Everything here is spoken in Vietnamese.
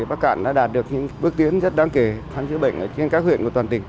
bắc cạn đã đạt được những bước tiến rất đáng kể khám chữa bệnh ở trên các huyện của toàn tỉnh